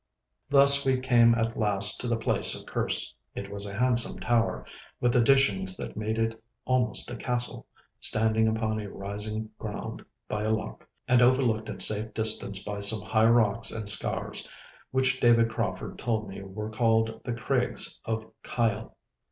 Thus we came at last to the place of Kerse. It was a handsome tower, with additions that made it almost a castle, standing upon a rising ground by a loch, and overlooked at a safe distance by some high rocks and scaurs, which David Crauford told me were called the Craigs of Kyle.